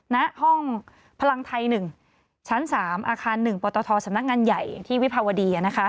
ณห้องพลังไทย๑ชั้น๓อาคาร๑ปตทสำนักงานใหญ่ที่วิภาวดี